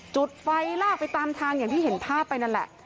จุดไฟลากไปตามทางอย่างที่เห็นภาพไปนั่นแหละ